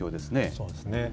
そうですね。